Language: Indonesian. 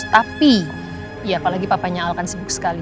tapi ya apalagi papanya al kan sibuk sekali